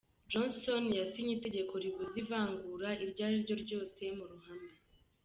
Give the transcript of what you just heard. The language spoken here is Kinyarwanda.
Johnson yasinye itegeko ribuza ivangura iryo ariryo ryose mu ruhame.